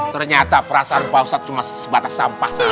ternyata perasaan pak ustadz cuma sebatas sampah saja